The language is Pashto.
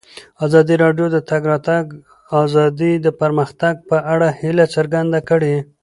ازادي راډیو د د تګ راتګ ازادي د پرمختګ په اړه هیله څرګنده کړې.